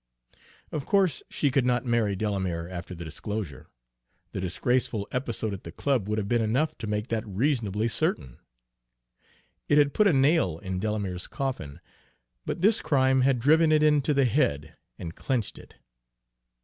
Of course she could not marry Delamere after the disclosure, the disgraceful episode at the club would have been enough to make that reasonably certain; it had put a nail in Delamere's coffin, but this crime had driven it in to the head and clinched it.